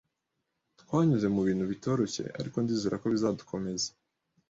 Twanyuze mubintu bitoroshye, ariko ndizera ko bizadukomeza